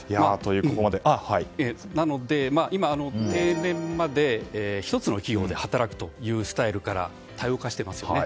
なので今、定年まで、１つの企業で働くというスタイルから多様化していますよね。